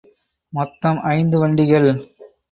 மொத்தம் ஐந்து வண்டிகள்.